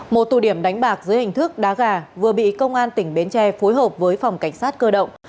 một tụ điểm đánh bạc dưới hình thức đá gà vừa bị công an tỉnh bến tre phối hợp với phòng cảnh sát cơ động